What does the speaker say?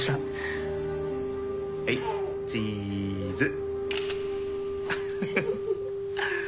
はいチーズ